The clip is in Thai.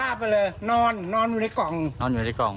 เจ็บผ้าไปเลยนอนนอนอยู่ในกล่อง